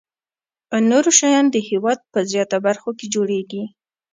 نور شیان د هېواد په زیاتو برخو کې جوړیږي.